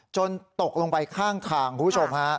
จนตกลงไปข้างคุณผู้ชม